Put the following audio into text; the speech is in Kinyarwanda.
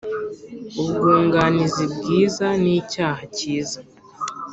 ubwunganizi bwiza nicyaha cyiza